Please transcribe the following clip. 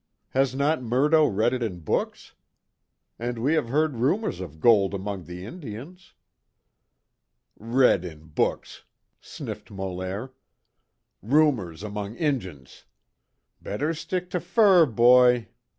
Has not Murdo read it in books? And we have heard rumors of gold among the Indians." "Read it in books!" sniffed Molaire. "Rumors among Injuns! Ye better stick to fur, boy.